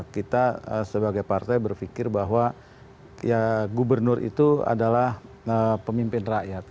kita sebagai partai berpikir bahwa ya gubernur itu adalah pemimpin rakyat